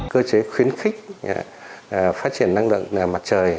cơ chế khuyến khích phát triển năng lượng mặt trời